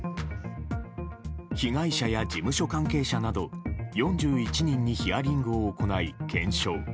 被害者や事務所関係者など４１人にヒアリングを行い、検証。